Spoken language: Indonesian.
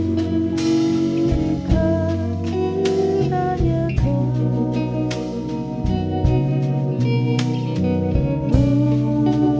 kau tak pernah menemukan